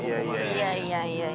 いやいやいやいや。